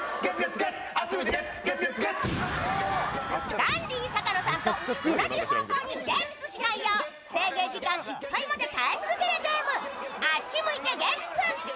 ダンディ坂野さんと同じ方向にゲッツしないよう制限時間いっぱいまで耐え続けるゲーム、「あっち向いてゲッツ」。